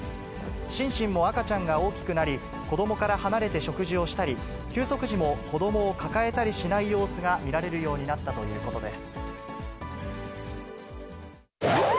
シンシンも赤ちゃんが大きくなり、子どもから離れて食事をしたり、休息時も子どもを抱えたりしない様子が見られるようになったということです。